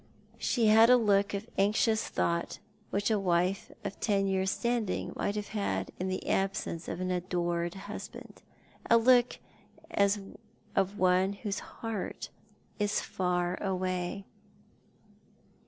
She had a look of anxious thought which a wife of ten years' standing might have had in the absence of an adored husband — a look as of one whose heart is far away.